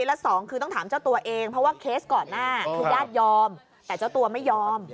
และสองคือต้องถามเจ้าตัวเองเพราะว่าเคสก่อนหน้าคือญาติยอมแต่เจ้าตัวไม่ยอม